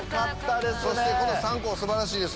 そしてこの３校素晴らしいですね。